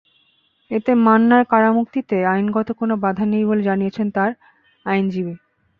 এতে মান্নার কারামুক্তিতে আইনগত কোনো বাধা নেই বলে জানিয়েছেন তাঁর আইনজীবী।